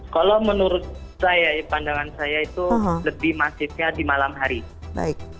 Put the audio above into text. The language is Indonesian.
kalau menurut saya pandangan saya itu lebih masifnya di malam hari